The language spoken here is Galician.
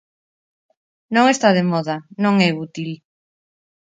Non está de moda, non é útil.